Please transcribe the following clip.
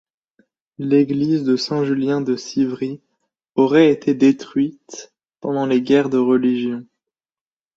L'église de saint julien de Civry aurait été détruite pendant les guerres de religion.